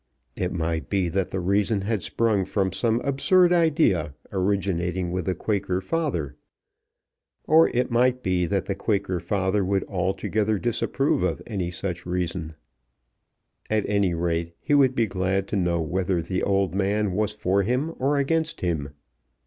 It might be that the reason had sprung from some absurd idea originating with the Quaker father; or it might be that the Quaker father would altogether disapprove of any such reason. At any rate he would be glad to know whether the old man was for him or against him.